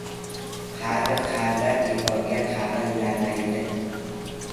• Qari qarg‘a bekorga qag‘illamaydi.